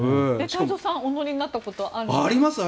太蔵さん、お乗りになったことはあるんですか？